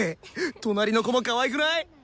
隣の子もかわいくない？